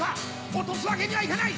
落とすわけにはいかない！